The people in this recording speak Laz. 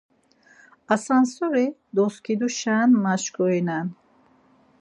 Asansoris doskiduşen maşkurinen.